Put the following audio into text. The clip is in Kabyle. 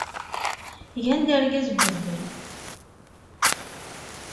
Gan-d argaz n udfel.